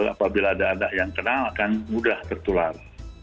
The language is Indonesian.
apabila ada anak yang kenal akan mudah tertular